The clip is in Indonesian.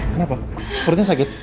kenapa perutnya sakit